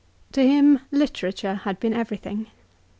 To him literature had been everything.